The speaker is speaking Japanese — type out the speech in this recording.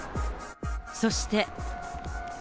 そして。